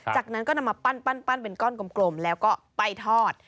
จากนั้นก็นำมาปั้นเป็นก้อนกลมแล้วก็ไปทอด